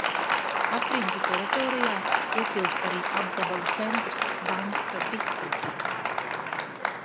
Apriņķa teritorijā ietilpst arī apgabala centrs Banska Bistrica.